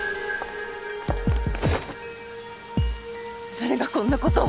誰がこんな事を。